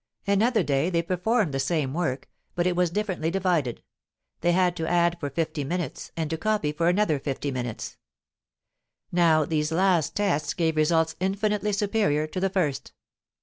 Another day they performed the same work, but it was differently divided; they had to add for fifty minutes and to copy for another fifty minutes. Now these last tests gave results infinitely superior to the first.